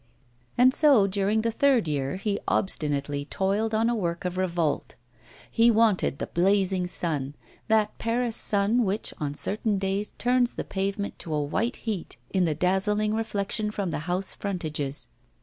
And so during the third year he obstinately toiled on a work of revolt. He wanted the blazing sun, that Paris sun which, on certain days, turns the pavement to a white heat in the dazzling reflection from the house frontages.